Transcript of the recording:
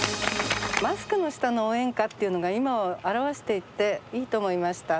「マスクの下の応援歌」っていうのが今を表していていいと思いました。